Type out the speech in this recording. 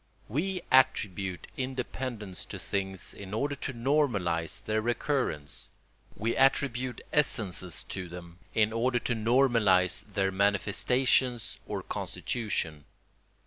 We attribute independence to things in order to normalise their recurrence. We attribute essences to them in order to normalise their manifestations or constitution.